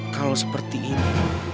kalo seperti ini